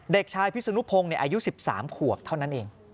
เด็กชายพิศนุพงศ์อายุ๑๓ขวบเท่านั้นเอง